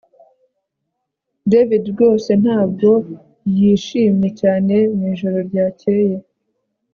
David rwose ntabwo yishimye cyane mwijoro ryakeye